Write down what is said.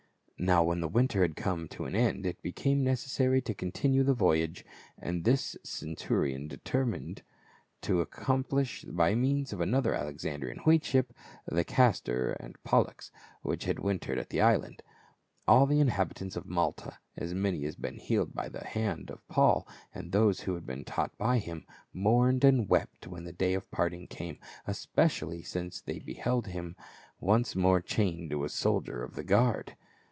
Now when the winter had come to an end it became necessary to continue the voyage, and this the centu rion determined to accomplish by means of another Alexandrian wheat ship, the Castor and Pollux, which had wintered at the island. All the inhabitants of Malta, as many as had been healed by the hand of Paul and those who had been taught by him, mourned and wept when the day of parting came, especially ON THE WA Y TO HOME. 439 since they beheld him once more chained to a soldier of the guard.